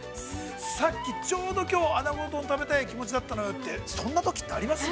◆さっき、ちょうどきょう穴子丼を食べたい気持ちだったのよってそんなときってあります？